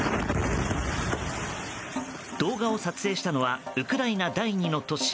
動画を撮影したのはウクライナ第２の都市